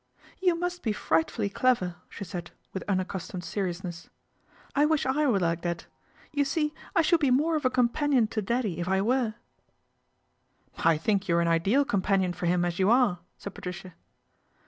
You must be frightfully clever," she said with ccustomed seriousness. " I wish I were like t. You see I should be more of a companion o Daddy if I were." I think you are an ideal companion for him you are," said Patricia.